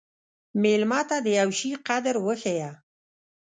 مېلمه ته د یوه شي قدر وښیه.